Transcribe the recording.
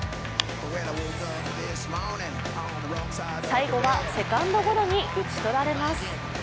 最後はセカンドゴロに打ち取られます。